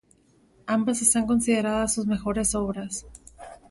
Ambas están consideradas sus mejores obras.